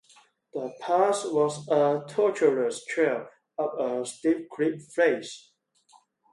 The pass was a torturous trail up a steep cliff face.